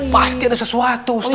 pasti ada sesuatu ustadz